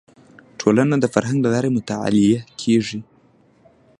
ټولنه د فرهنګ له لارې مطالعه کیږي